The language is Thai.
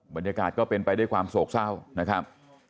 บรรยากาศก็เป็นไปด้วยความโศกเศร้านะครับ